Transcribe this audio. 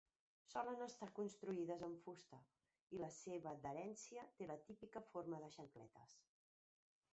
Solen estar construïdes en fusta i la seva adherència té la típica forma de xancletes.